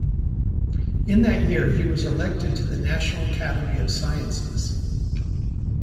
In that year he was elected to the National Academy of Sciences.